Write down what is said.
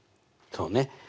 そうね。